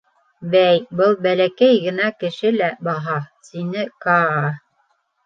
— Бәй, был бәләкәй генә кеше лә баһа! — тине Каа.